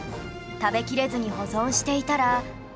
食べきれずに保存していたら